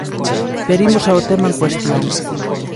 Pero imos ao tema en cuestión.